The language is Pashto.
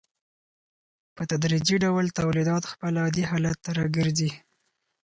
په تدریجي ډول تولیدات خپل عادي حالت ته راګرځي